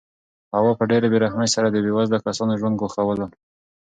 هوا په ډېرې بې رحمۍ سره د بې وزله کسانو ژوند ګواښلو.